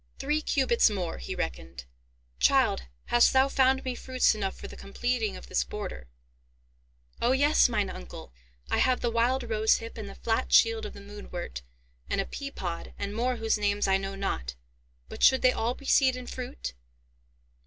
"Three cubits more," he reckoned. "Child, hast thou found me fruits enough for the completing of this border?" "O yes, mine uncle. I have the wild rosehip, and the flat shield of the moonwort, and a pea pod, and more whose names I know not. But should they all be seed and fruit?"